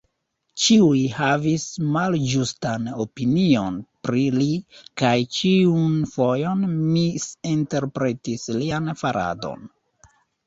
Ĉiuj havis malĝustan opinion pri li kaj ĉiun fojon misinterpretis lian faradon.